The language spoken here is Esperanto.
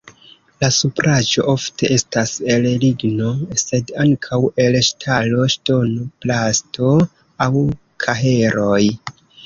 La supraĵo ofte estas el ligno, sed ankaŭ el ŝtalo, ŝtono, plasto aŭ kaheloj.